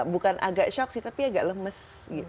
bukan agak shock sih tapi agak lemes